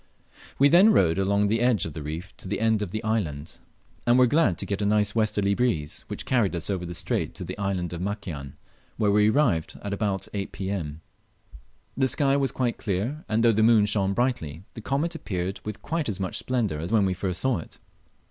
We then rowed along the edge of the reef to the end of the island, and were glad to get a nice westerly breeze, which carried us over the strait to the island of Makian, where we arrived about 8 P.M, The sky was quite clear, and though the moon shone brightly, the comet appeared with quite as much splendour as when we first saw it.